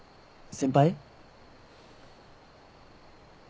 先輩？